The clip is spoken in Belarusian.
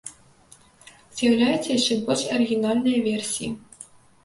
З'яўляюцца яшчэ больш арыгінальныя версіі.